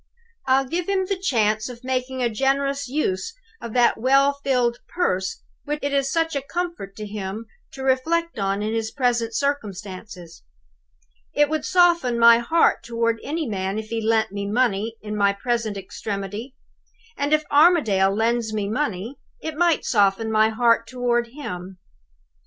I'll give him the chance of making a generous use of that well filled purse which it is such a comfort to him to reflect on in his present circumstances. It would soften my heart toward any man if he lent me money in my present extremity; and, if Armadale lends me money, it might soften my heart toward him.